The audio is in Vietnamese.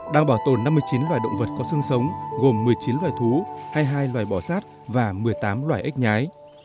đang bảo tồn năm mươi chín loài động vật có sương sống gồm một mươi chín loài thú hai mươi hai loài bò sát và một mươi tám loài ếch nhái